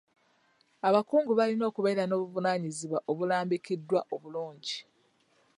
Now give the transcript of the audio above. Abakungu balina okubeera n'obuvunaanyizibwa obulambikiddwa obulungi.